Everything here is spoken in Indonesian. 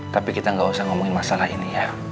tapi kita nggak usah ngomongin masalah ini ya